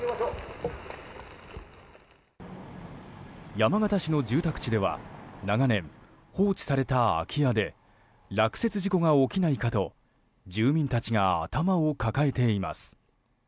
山形市の住宅地では長年、放置された空き家で落雪事故が起きないかと住民たちが頭を抱えています。